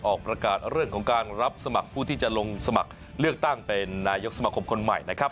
ออกประกาศเรื่องของการรับสมัครผู้ที่จะลงสมัครเลือกตั้งเป็นนายกสมคมคนใหม่นะครับ